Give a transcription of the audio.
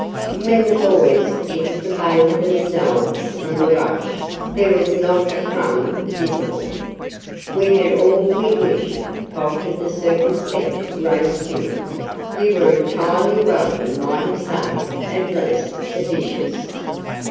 When the boys extricated themselves from the "rush" there was not a crumb visible. "We had all we wished," faltered the circumspect Ray Stuart. "You were entirely welcome might have saved, at least, the dishes."